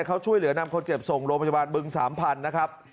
เขาช่วยเหลือนำคนเจ็บส่งโรงพยาบาลบึงสามพันธุ์นะครับ